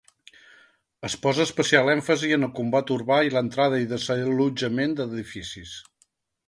Es posa especial èmfasi en el combat urbà i la entrada i desallotjament d'edificis.